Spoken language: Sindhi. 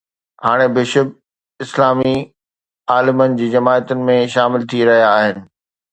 هاڻي بشپ ”اسلامي عالمن“ جي جماعتن ۾ شامل ٿي رهيا آهن.